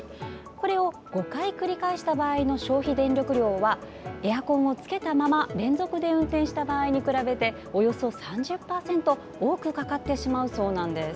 これを５回繰り返した場合の消費電力量はエアコンをつけたまま連続で運転した場合に比べておよそ３０％多くかかってしまうそうなんです。